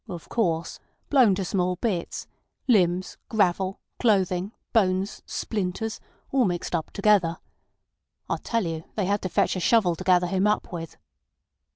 "Of course. Blown to small bits: limbs, gravel, clothing, bones, splinters—all mixed up together. I tell you they had to fetch a shovel to gather him up with."